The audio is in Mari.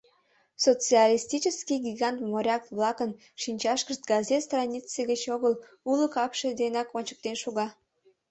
Социалистический гигант моряк-влакын шинчашкышт газет странице гыч огыл, уло капше денак ончыктен шога.